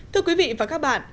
thưa quý vị và các bạn